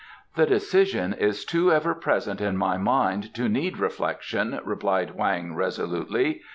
"The decision is too ever present in my mind to need reflection," replied Hoang resolutely.